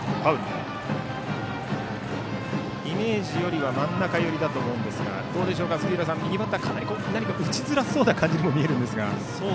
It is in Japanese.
イメージよりは真ん中寄りだと思うんですがどうでしょう、杉浦さん右バッターは打ちづらそうな感じに見えますが。